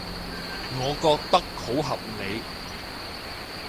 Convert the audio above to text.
我覺得好合理